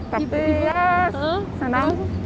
tapi ya senang